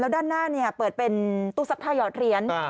แล้วด้านหน้าเนี้ยเปิดเป็นตู้สักผ้าหยอดเหรียญค่ะ